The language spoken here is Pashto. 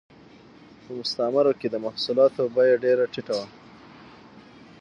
په مستعمرو کې د محصولاتو بیه ډېره ټیټه وه